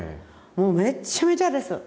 もうめっちゃめちゃです。